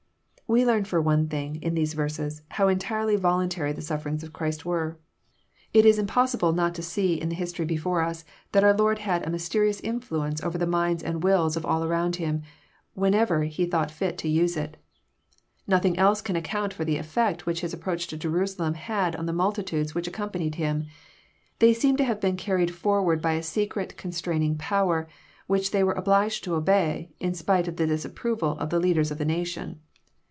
We learn, for one thing, in these verses, hwo entirely voluntary the suffieringa of Christ were. JOHN, CHAP. xn. 823 It is impossible not to see in the history before ns that onr Lord had a mysterious influence over the minds tnd wills of all around Him, whenever He thought fit lo use it. Nothing else can account for the effect which His approach to Jerusalem had on the multitudes which accompanied Him. They seem to have been carried for ward by a secret constraining power, which they were obliged to obey, in spite of the disapproval of the leaders of the nation.